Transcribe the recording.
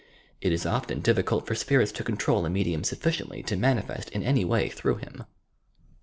It is often difficult for spirits to control a medium sufficiently to manifest in any way through him.